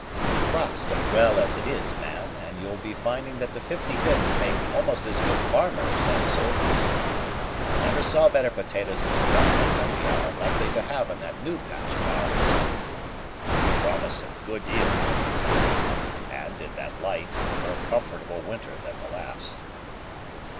The crops look well as it is, man, and you'll be finding that the 55th make almost as good farmers as soldiers. I never saw better potatoes in Scotland than we are likely to have in that new patch of ours." "They promise a good yield, Major Duncan; and, in that light, a more comfortable winter than the last."